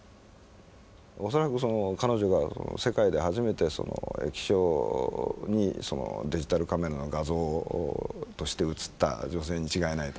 恐らく彼女が世界で初めて液晶にデジタルカメラの画像として映った女性に違いない。